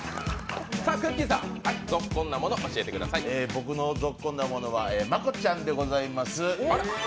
僕のゾッコンなものは真子ちゃんでございます。